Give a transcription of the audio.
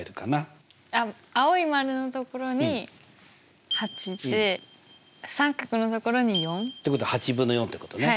あっ青い丸の所に８で三角の所に４。ってことは８分の４ってことね。